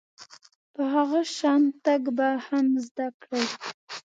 په هغه شان تګ به هم زده کړئ .